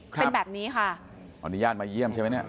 เป็นแบบนี้ค่ะขออนุญาตมาเยี่ยมใช่ไหมเนี่ย